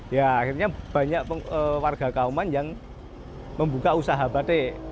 ya akhirnya banyak warga kauman yang membuka usaha batik